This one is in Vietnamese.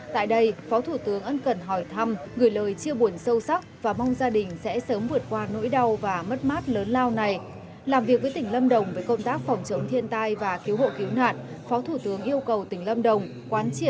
tại đây phó thủ tướng ân cần hỏi thăm gửi lời chia buồn sâu sắc và mong gia đình sẽ sớm vượt qua nỗi đau và mất mát lớn lao này